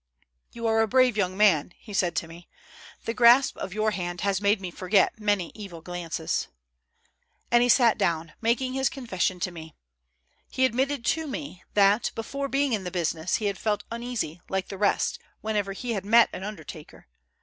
" You are a brave young man," said he to me ;" the grasp of your hand has made me forget many evil glances." And he sat down, making his confession to me. He admitted to me that, before being in the business, he had felt uneasy, like the rest, whenever he had met an undertaker.